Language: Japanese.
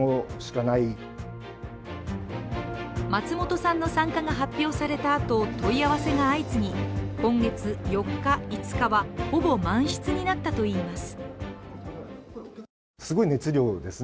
松本さんの参加が発表されたあと問い合わせが相次ぎ今月４日、５日はほぼ満室になったといいます。